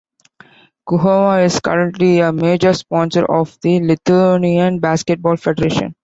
Guoga is currently a major sponsor of the Lithuanian Basketball Federation.